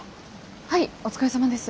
はいお疲れさまです。